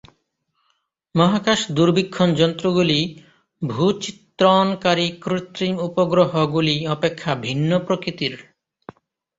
মহাকাশ দূরবীক্ষণ যন্ত্রগুলি ভূ-চিত্রণকারী কৃত্রিম উপগ্রহগুলি অপেক্ষা ভিন্ন প্রকৃতির।